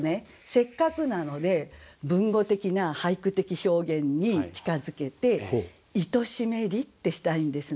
せっかくなので文語的な俳句的表現に近づけて「愛しめり」ってしたいんですね。